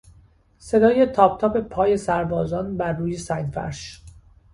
صدای تاپ تاپ پای سربازان بر روی سنگفرش